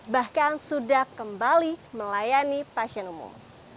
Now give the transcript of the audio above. bahkan sudah kembali melayani pasien umum